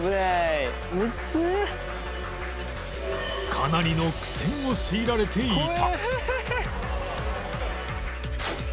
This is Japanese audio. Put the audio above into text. かなりの苦戦を強いられていた